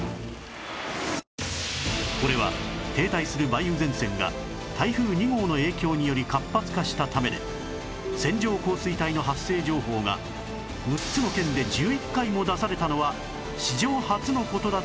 これは停滞する梅雨前線が台風２号の影響により活発化したためで線状降水帯の発生情報が６つの県で１１回も出されたのは史上初の事だといいます